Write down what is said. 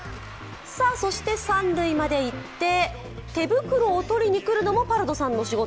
そして三塁までいって、手袋を取りに来るのもパルドさんの仕事。